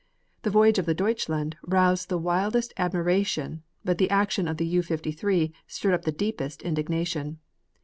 The voyage of the Deutschland roused the widest admiration but the action of the U 53 stirred up the deepest indignation.